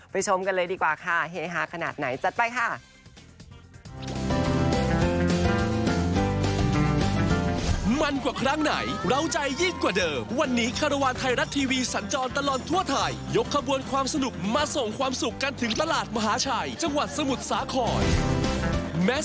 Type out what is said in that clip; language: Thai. ชมกันเลยดีกว่าค่ะเฮฮาขนาดไหนจัดไปค่ะ